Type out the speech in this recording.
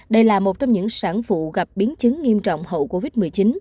đây là một trong những sản phụ gặp biến chứng nghiêm trọng hậu covid một mươi chín